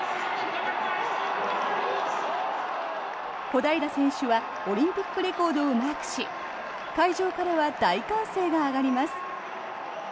小平選手はオリンピックレコードをマークし会場からは大歓声が上がります。